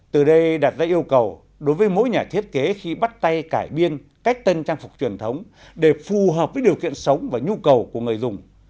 từ đây đặt ra yêu cầu đối với mỗi nhà thiết kế khi bắt tay cải biên cách tân trang phục truyền thống để phù hợp với điều kiện sống và nhu cầu của người dùng